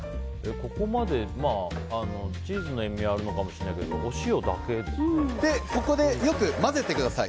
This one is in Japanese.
ここまで、チーズの塩みあるのかもしれないですけどここでよく混ぜてください。